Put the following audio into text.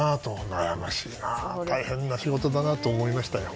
悩ましいな大変な仕事だなと思いました。